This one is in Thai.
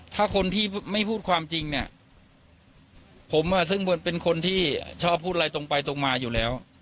ถ้าคนที่ไม่พูดความจริงเนี่ยผมซึ่งเป็นคนที่ชอบพูดอะไรตรงไปตรงมาอยู่แล้ว